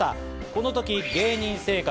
この時、芸人生活